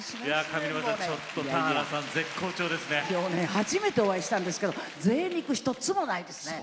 今日初めてお会いしたんですけれどもぜい肉が１つもないですね。